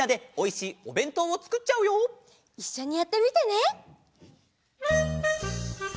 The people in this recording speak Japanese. いっしょにやってみてね！